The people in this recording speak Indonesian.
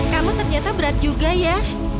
kamu ternyata berat juga ya